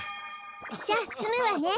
じゃあつむわね。